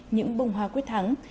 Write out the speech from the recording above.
những bông hoa quyết thắng